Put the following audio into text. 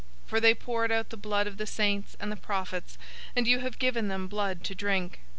016:006 For they poured out the blood of the saints and the prophets, and you have given them blood to drink.